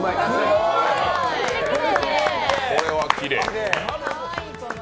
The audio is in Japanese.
これはきれい。